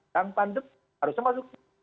yang pandem harusnya masuk